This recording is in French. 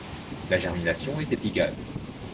La germination est épigale.